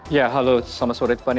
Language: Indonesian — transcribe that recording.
ya halo selamat sore fani